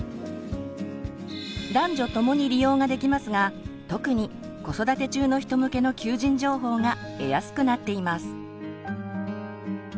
男女ともに利用ができますが特に子育て中の人向けの求人情報が得やすくなっています。